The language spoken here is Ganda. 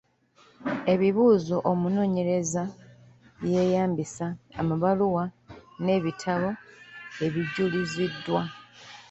Ebibuuzo omunoonyereza bye yeeyambisa, amabaluwa n'ebitabo ebijuliziddwa.